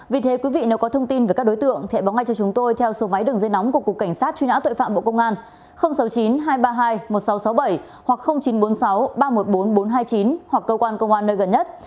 vì thế quý vị nếu có thông tin về các đối tượng hãy báo ngay cho chúng tôi theo số máy đường dây nóng của cục cảnh sát truy nã tội phạm bộ công an sáu mươi chín hai trăm ba mươi hai một nghìn sáu trăm sáu mươi bảy hoặc chín trăm bốn mươi sáu ba trăm một mươi bốn nghìn bốn trăm hai mươi chín hoặc cơ quan công an nơi gần nhất